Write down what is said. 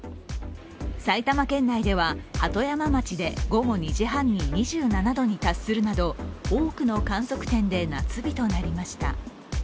埼玉県内では鳩山町で午後２時半に２７度に達するなど、多くの観測点で夏日となりました。